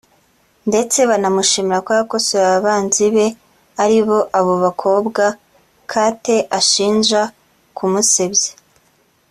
ndetse banamushimira ko yakosoye abanzi be aribo abo bakobwa Kate ashinja kumusebya